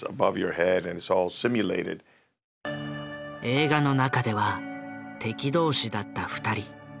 映画の中では敵同士だった２人。